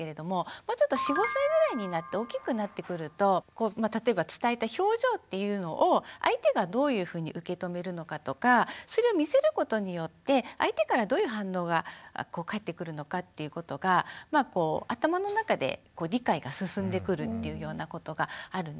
もうちょっと４５歳ぐらいになって大きくなってくると例えば伝えた表情っていうのを相手がどういうふうに受け止めるのかとかそれを見せることによって相手からどういう反応が返ってくるのかっていうことが頭の中で理解が進んでくるっていうようなことがあるんですね。